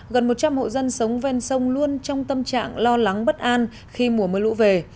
gần một trăm linh hộ dân sống ven sông luôn trong tâm trạng lo lắng bất an khi mùa mưa lũ về